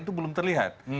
itu belum terlihat